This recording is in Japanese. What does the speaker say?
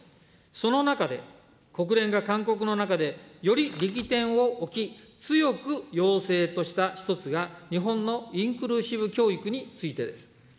その中で、国連が勧告の中でより力点を置き、強く要請とした一つが、日本のインクルーシブ教育についてです。